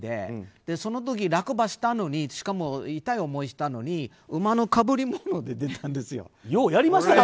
その時、落馬したのにしかも痛い思いしたのに馬の被り物で出たんですよ。